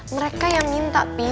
mereka yang minta pi